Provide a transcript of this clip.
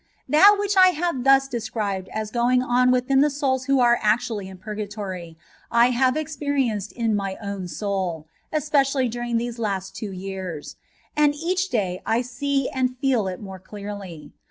That which I have thus described as going on within the souls who are actually in purgatory, I have experienced in my own soul, especially during the last two years ; and each day I see and feel it more clearly.